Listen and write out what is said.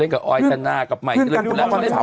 เป็นการกระตุ้นการไหลเวียนของเลือด